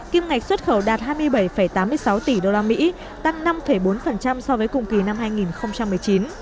kim ngạch xuất khẩu đạt hai mươi bảy tám mươi sáu tỷ usd tăng năm bốn so với cùng kỳ năm hai nghìn một mươi chín